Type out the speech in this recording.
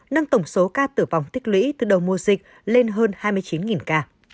nâng tổng số ca tử vong tích lũy từ đầu mùa dịch lên hơn hai mươi chín ca